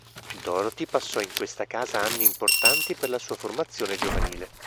Dorothy passò in questa casa anni importanti per la sua formazione giovanile.